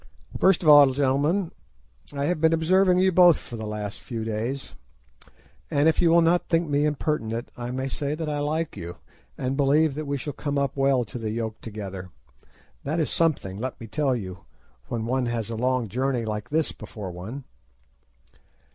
First of all, gentlemen, I have been observing you both for the last few days, and if you will not think me impertinent I may say that I like you, and believe that we shall come up well to the yoke together. That is something, let me tell you, when one has a long journey like this before one.